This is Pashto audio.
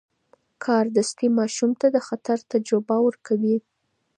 کاردستي ماشوم ته د خطر تجربه ورکوي.